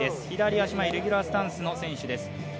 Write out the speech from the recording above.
左足前、レギュラースタンスの選手です。